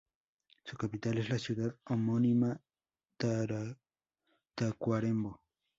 Su capital es la ciudad homónima Tacuarembó.